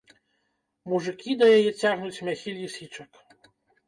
Мужыкі да яе цягнуць мяхі лісічак!